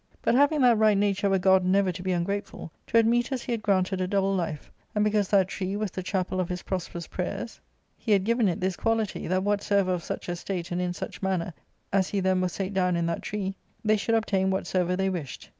But having that right nature of a god never to be ungrateful, to Admetus he had granted a double Hfe ; and because that tree was the chapel of his prosperous prayers, he had given it this quality, that whatsoever of such estate and in such manner as he then was sate down in that tree, they should obtain whatsoever they wished.